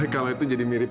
kalau itu jadi mirip